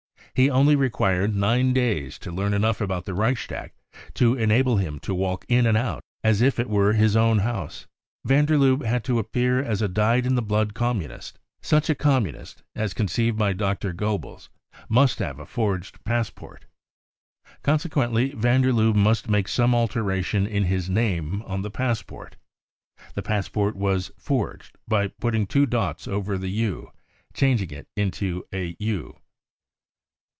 He only required nine days to learn enough about the Reichstag to enable him to walk in and out as if it were his own house. Van der Lubbe had to appear as a dyed in thc blood Communist, Such a Communist, as conceived by Dr. Goebbels, must have a forged passport. Consequently van der Lubbe must make some alteration in his name on the passport. The passport was " forged 55 by putting two dots over the cc u," changing it into " u."